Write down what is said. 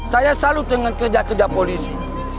saya salut dengan kerja kerja polisi